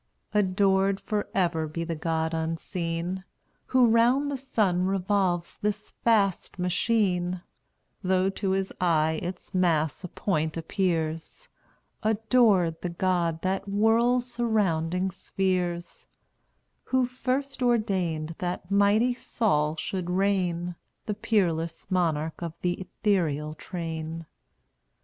Adored forever be the God unseen, Who round the sun revolves this vast machine; Though to his eye its mass a point appears: Adored the God that whirls surrounding spheres, Who first ordained that mighty Sol should reign, The peerless monarch of th' ethereal train.